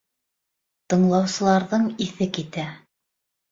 Тыңлаусыларҙың иҫе китә.